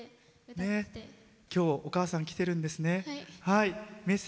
今日お母さん来てるんですね。